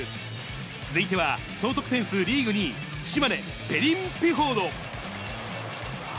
続いては総得点数リーグ２位、島根、ベリン・ピュフォード。